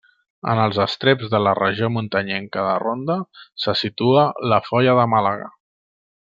En els estreps de la Regió Muntanyenca de Ronda se situa la Foia de Màlaga.